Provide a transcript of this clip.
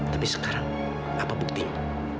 tapi sekarang apa buktinya